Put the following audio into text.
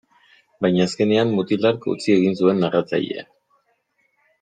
Baina azkenean mutil hark utzi egin zuen narratzailea.